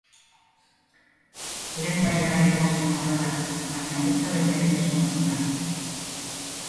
Lehen mailara igo zen horrela baina urtebete egin zuen bertan.